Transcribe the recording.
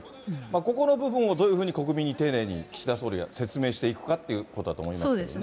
ここの部分をどういうふうに国民に丁寧に岸田総理が説明していくかっていうことだと思いますけどね。